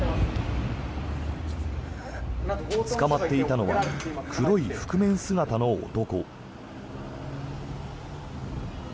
捕まっていたのは黒い覆面姿の男。